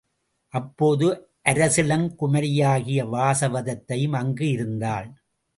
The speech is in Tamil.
அப்போது அரசிளங்குமரியாகிய வாசவதத்தையும் அங்கு இருந்தாள்.